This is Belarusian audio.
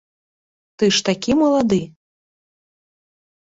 Ты ж такі малады!